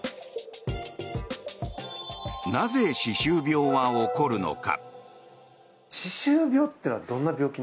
なぜ、歯周病は起こるのか？